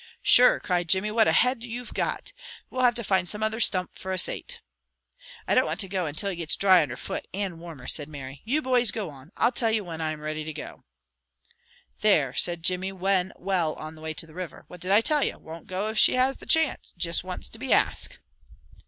"Sure!" cried Jimmy. "What a head you've got! We'll have to find some other stump for a sate." "I don't want to go until it gets dry under foot, and warmer" said Mary. "You boys go on. I'll till you whin I am riddy to go." "There!" said Jimmy, when well on the way to the river. "What did I tell you? Won't go if she has the chance! Jist wants to be ASKED."